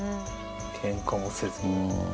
けんかもせずに。